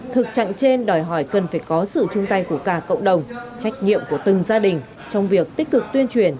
thực trạng trên đòi hỏi cần phải có sự chung tay của cả cộng đồng trách nhiệm của từng gia đình trong việc tích cực tuyên truyền